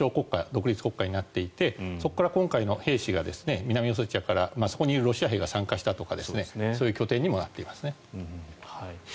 ・独立国家になっていて今回も南オセチアから、そこにいるロシア兵が参加したとかそういう拠点にもなっていますね。